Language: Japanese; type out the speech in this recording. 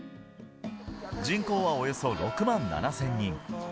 人口はおよそ６万７０００人。